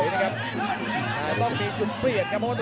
มันเป็นบ่อยที่ยัด